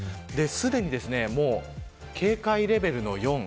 すでに警戒レベルの４。